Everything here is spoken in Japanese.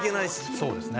そうですね。